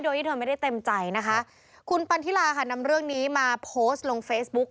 โดยที่เธอไม่ได้เต็มใจนะคะคุณปันทิลาค่ะนำเรื่องนี้มาโพสต์ลงเฟซบุ๊ก